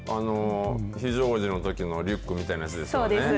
非常時のときのリュックみたいなやつですよね。